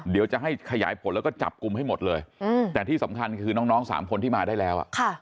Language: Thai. เดี๋ยวจะให้ขยายผลแล้วก็จับกลุ่มให้หมดเลยแต่ที่สำคัญคือน้องสามคนที่มาได้แล้ว